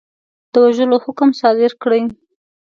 د وژلو حکم صادر کړي.